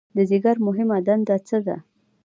د ځیګر مهمه دنده څه ده؟